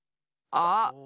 あっ。